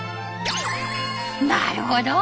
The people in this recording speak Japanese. なるほど！